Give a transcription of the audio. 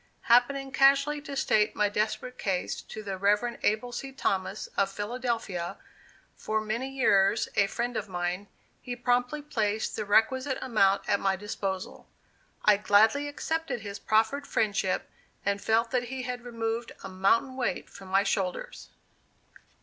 Happening casually to state my desperate case to the Rev. Abel C. Thomas, of Philadelphia, for many years a friend of mine, he promptly placed the requisite amount at my disposal. I gladly accepted his proffered friendship, and felt that he had removed a mountain weight from my shoulders.